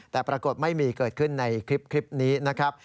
แต่ปรากฏไม่มีเกิดขึ้นในคลิปนี้นะครับ